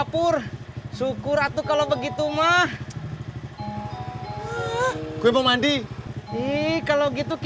purnam membaik ibu